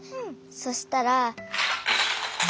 そしたら。